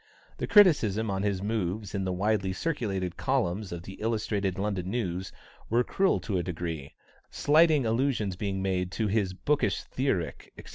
The criticisms on his moves in the widely circulated columns of the Illustrated London News were cruel to a degree; slighting allusions being made to his "bookish theoric," etc.